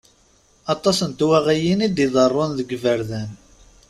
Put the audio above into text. Aṭas n twaɣiyin i d-iḍerrun deg yiberdan.